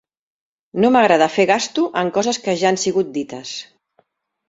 No m'agrada fer gasto en coses que ja han sigut dites.